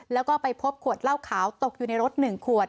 แล้วก็ไปพบขวดเหล้าขาวตกอยู่ในรถ๑ขวด